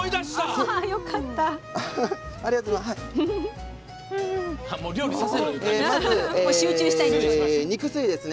ありがとうございます。